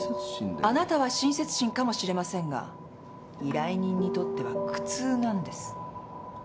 あなたは親切心かもしれませんが依頼人にとっては苦痛なんです。